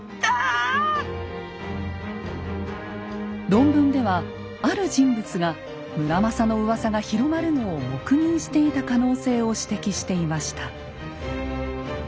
論文ではある人物が村正のうわさが広まるのを黙認していた可能性を指摘していました。